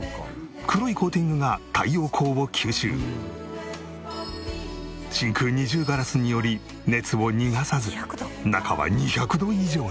黒いコーティングが真空二重ガラスにより熱を逃がさず中は２００度以上に。